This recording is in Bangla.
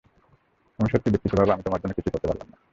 আমি সত্যিই দুঃখিত বাবা, আমি তোমার জন্য কিছুই করতে পারলাম না।